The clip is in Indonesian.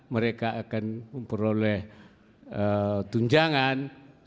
mereka akan memperoleh tunjangan